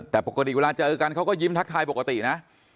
แต่ปกติเวลาเจอกันเขาก็ยิ้มทักทายปกตินะ